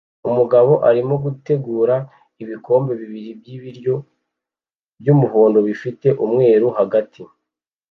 Umugabo arimo gutegura ibikombe bibiri byibiryo byumuhondo bifite umweru hagati